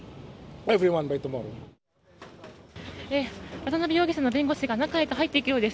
渡辺容疑者の弁護士が中へと入っていくようです。